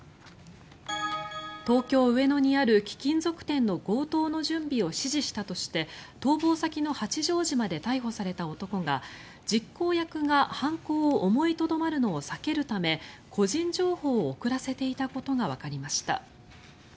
東京・上野にある貴金属店の強盗の準備を指示したとして逃亡先の八丈島で逮捕された男が実行役が犯行を思いとどまるのを避けるため個人情報を送らせていたことがわかりました。